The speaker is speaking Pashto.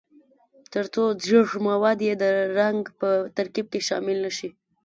ترڅو ځیږ مواد یې د رنګ په ترکیب کې شامل نه شي.